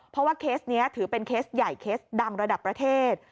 เพราะว่าเคสนี้ถือเป็นเคสใหญ่เคสดังระดับประเทศ